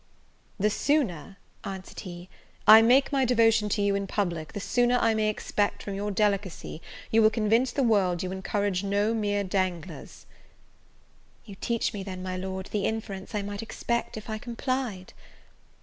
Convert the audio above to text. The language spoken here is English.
"The sooner," answered he, "I make my devotion to you in public, the sooner I may expect, from your delicacy, you will convince the world you encourage no mere danglers." "You teach me, then, my Lord, the inference I might expect, if I complied."